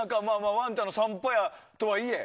ワンちゃんの散歩やとはいえ。